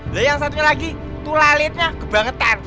lalu yang satunya lagi tuh lalitnya kebangetan